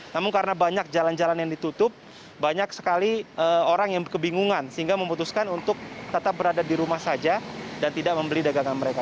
namun karena banyak jalan jalan yang ditutup banyak sekali orang yang kebingungan sehingga memutuskan untuk tetap berada di rumah saja dan tidak membeli dagangan mereka